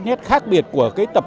nét khác biệt của tập thơ